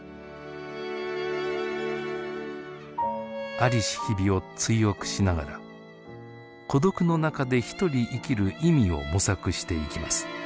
在りし日々を追憶しながら孤独の中で一人生きる意味を模索していきます。